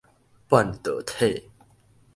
半導體